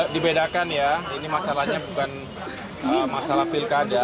dibedakan ya ini masalahnya bukan masalah pilkada